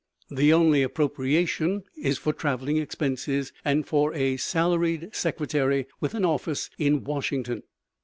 The only appropriation is for travelling expenses and for a salaried secretary with an office in Washington.